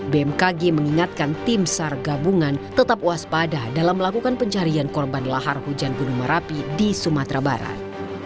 bmkg mengingatkan tim sar gabungan tetap waspada dalam melakukan pencarian korban lahar hujan gunung merapi di sumatera barat